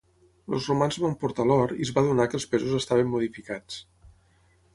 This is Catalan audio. Els romans van portar l'or i es va adonar que els pesos estaven modificats.